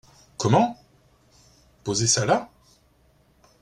Comment ! posez ça là ?